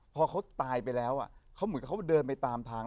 พอเขาตายไปแล้วเขาเหมือนกับเขาเดินไปตามทาง